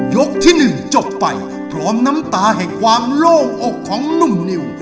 ที่๑จบไปพร้อมน้ำตาแห่งความโล่งอกของหนุ่มนิว